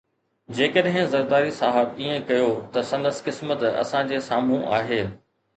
جيڪڏهن زرداري صاحب ائين ڪيو ته سندس قسمت اسان جي سامهون آهي.